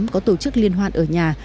có tổ chức liên hoan ở nhà